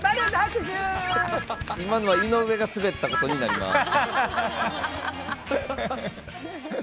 今のは井上がスベったことになります。